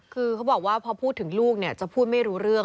คือเขาบอกว่าพอพูดถึงลูกเนี่ยจะพูดไม่รู้เรื่อง